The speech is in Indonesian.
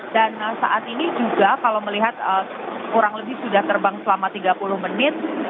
dan saat ini juga kalau melihat kurang lebih sudah terbang selama tiga puluh menit